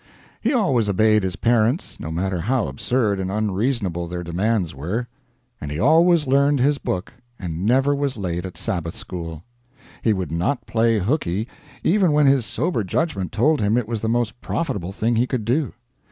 He always obeyed his parents, no matter how absurd and unreasonable their demands were; and he always learned his book, and never was late at Sabbath school. He would not play hookey, even when his sober judgment told him it was the most profitable thing he could do.